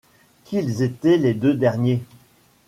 Qu’ils étaient les deux derniers.